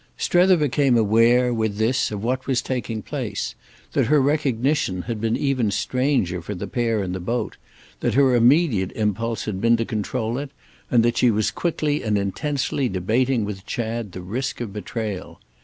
Strether became aware, with this, of what was taking place—that her recognition had been even stranger for the pair in the boat, that her immediate impulse had been to control it, and that she was quickly and intensely debating with Chad the risk of betrayal.